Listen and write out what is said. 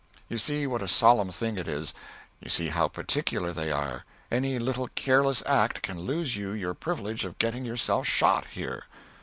You see what a solemn thing it is; you see how particular they are; any little careless act can lose you your privilege of getting yourself shot, here.